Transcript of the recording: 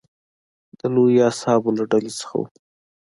د لویو اصحابو له ډلې څخه و.